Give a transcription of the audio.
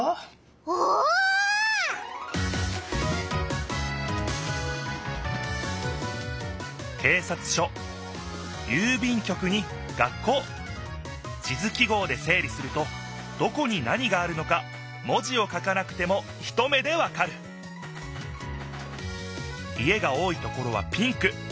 おお！警察署郵便局に学校地図記号でせい理するとどこに何があるのか文字を書かなくても一目でわかる家が多いところはピンク。